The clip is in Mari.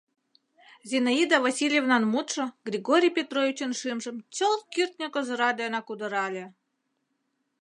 Зинаида Васильевнан мутшо Григорий Петровичын шӱмжым чылт кӱртньӧ козыра денак удырале.